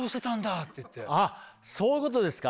そういうことですか。